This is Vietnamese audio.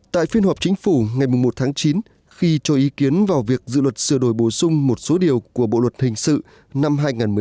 tại phiên họp chính phủ ngày một tháng chín khi cho ý kiến vào việc dự luật sửa đổi bổ sung một số điều của bộ luật hình sự năm hai nghìn một mươi năm